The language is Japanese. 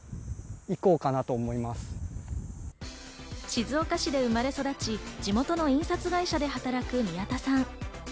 静岡市で生まれ育ち、地元の印刷会社で働く宮田さん。